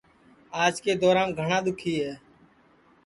آج کے دورام گھٹؔا دؔوکھی ہے